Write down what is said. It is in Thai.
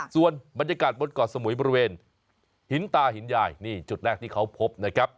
ส่วนบรรยากาศบนเกาะสมุยบริเวณหินตาหินยายนี่จุดแรกที่เขาพบนะครับ